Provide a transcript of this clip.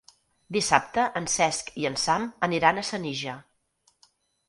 Dissabte en Cesc i en Sam aniran a Senija.